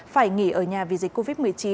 phải nghỉ ở nhà vì dịch covid một mươi chín